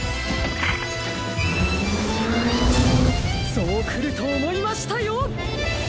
そうくるとおもいましたよ！